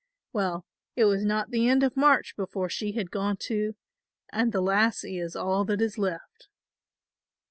Well, it was not the end of March before she had gone too and the lassie is all that is left."